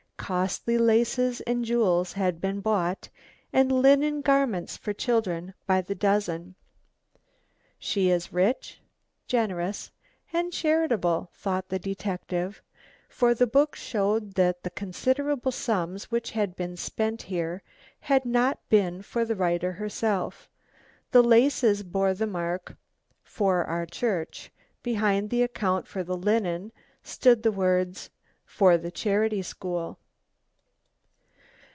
Costly laces and jewels had been bought, and linen garments for children by the dozen. "She is rich, generous, and charitable," thought the detective, for the book showed that the considerable sums which had been spent here had not been for the writer herself. The laces bore the mark, "For our church"; behind the account for the linen stood the words, "For the charity school."